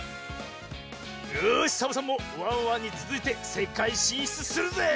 よしサボさんもワンワンにつづいてせかいしんしゅつするぜぇ！